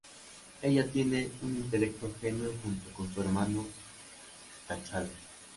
Ella tiene un intelecto genio junto con su hermano T'Challa.